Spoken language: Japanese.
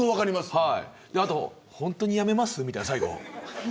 あと本当にやめますみたいな最後。